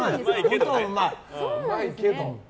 うまいけど。